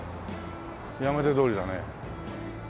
山手通りだね。